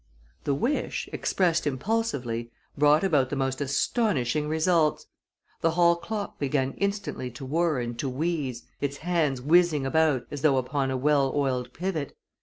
The wish, expressed impulsively, brought about the most astonishing results. The hall clock began instantly to whirr and to wheeze, its hands whizzing about as though upon a well oiled pivot.